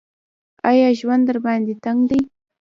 ایا ژوند درباندې تنګ دی ؟